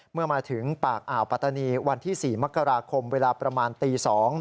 เมื่อมาถึงปากอ่าวปัตตานีวันที่๔มกราคมเวลาประมาณตี๒